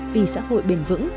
vì xã hội bền vững